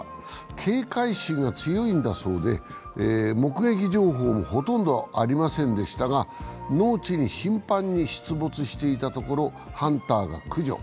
警戒心が強いんだそうで、目撃情報もほとんどありませんでしたが、農地に頻繁に出没していたところハンターが駆除。